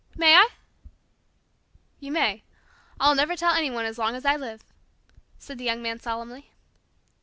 May I?" "You may. I'll never tell anyone as long as I live," said the Young Man solemnly.